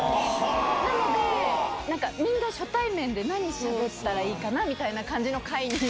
なので、みんな初対面で、何しゃべったらいいのかなみたいな感じの会で。